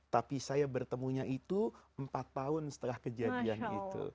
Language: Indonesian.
tapi saya bertemunya itu empat tahun setelah kejadian itu